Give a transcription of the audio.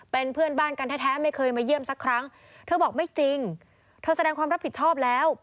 เป็นเพื่อนบ้านกันแท้ไม่เคยมาเยี่ยมสักครั้งเธอบอกไม่จริงเธอแสดงความรับผิดชอบแล้ว